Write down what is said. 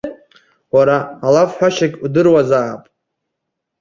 Уара алафҳәашьагьы удыруазаап.